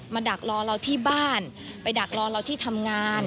ดักรอเราที่บ้านไปดักรอเราที่ทำงาน